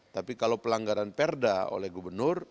tapi kalau pelanggaran perda oleh gubernur